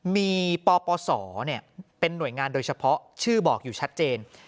มีปปศเป็นหน่วยงานโดยเฉพาะชื่อบอกอยู่ชัดเจน